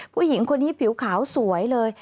ผู้หญิงคนนี้ผิวขาวสวยเลย